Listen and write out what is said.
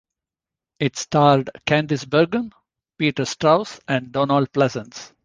It starred Candice Bergen, Peter Strauss and Donald Pleasence.